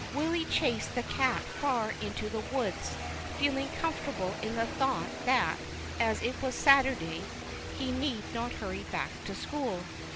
Willy chased the cat far into the woods, feeling comfortable in the thought that, as it was Saturday, he need not hurry back to school.